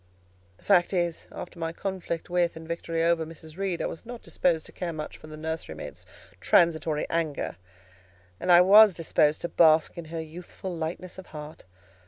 The fact is, after my conflict with and victory over Mrs. Reed, I was not disposed to care much for the nursemaid's transitory anger; and I was disposed to bask in her youthful lightness of heart.